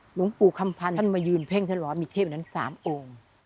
หลวงปู่คำพันธ์ท่านมายืนเพ่งท่านบอกว่ามีเทพนั้น๓องค์